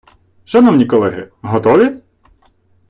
Шановні колеги, готові?